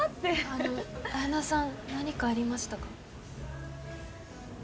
あのあやなさん何かありましたか？